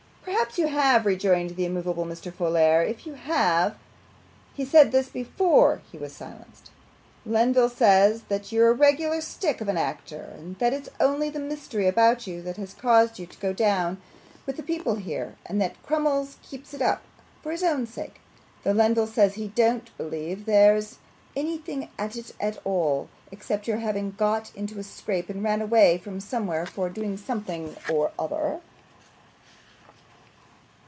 'Perhaps you have,' rejoined the immovable Mr. Folair; 'if you have, he said this before he was silenced: Lenville says that you're a regular stick of an actor, and that it's only the mystery about you that has caused you to go down with the people here, and that Crummles keeps it up for his own sake; though Lenville says he don't believe there's anything at all in it, except your having got into a scrape and run away from somewhere, for doing something or other.